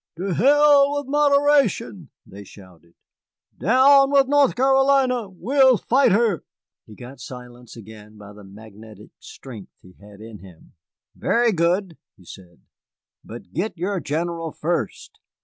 "To hell with moderation!" they shouted. "Down with North Carolina! We'll fight her!" He got silence again by the magnetic strength he had in him. "Very good," he said, "but get your General first.